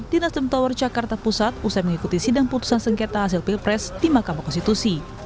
di nasdem tower jakarta pusat usai mengikuti sidang putusan sengketa hasil pilpres di mahkamah konstitusi